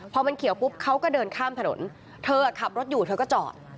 พอมันเขียวปุ๊บเขาก็เดินข้ามถนนเธอขับรถอยู่เธอก็จอด